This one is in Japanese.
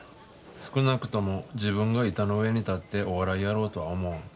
少なくとも自分が板の上に立ってお笑いやろうとは思わん。